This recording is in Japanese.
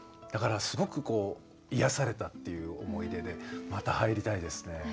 だからすごく癒やされたっていう思い出でまた入りたいですね。